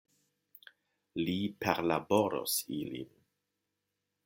Li perlaboros ilin.